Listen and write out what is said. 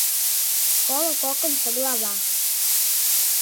КОЛО КОКЫМШО ГЛАВА